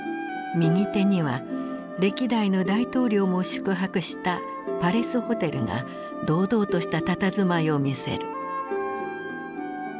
右手には歴代の大統領も宿泊したパレスホテルが堂々としたたたずまいを見せる。